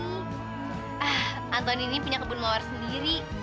ah antoni ini punya kebun mawar sendiri